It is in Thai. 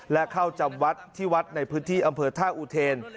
และเข้าจำวัดที่วัดในพื้นที่อำเภอท่าอุเทน